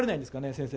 先生。